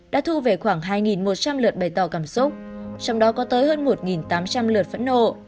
đã thu về khoảng hai một trăm linh lượt bày tỏ cảm xúc trong đó có tới hơn một tám trăm linh lượt phẫn nộ